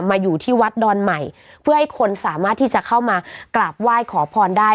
อยู่ที่วัดดอนใหม่เพื่อให้คนสามารถที่จะเข้ามากราบไหว้ขอพรได้